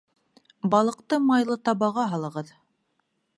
Балыҡты майлы табаға һалығыҙ